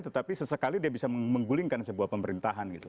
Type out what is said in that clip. tetapi sesekali dia bisa menggulingkan sebuah pemerintahan gitu